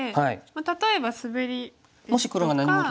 例えばスベリですとか。